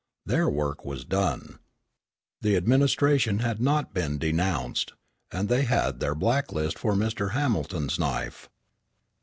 Their work was done. The administration had not been denounced, and they had their black list for Mr. Hamilton's knife.